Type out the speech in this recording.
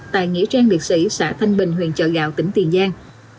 tại nghĩa trang liệt sĩ xã thanh bình huyện chợ gạo tỉnh tiền giang